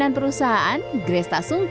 tapi permintaannya tadi gak